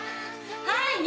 はい